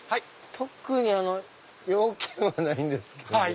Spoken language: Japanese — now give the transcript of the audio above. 特に用件はないんですけども。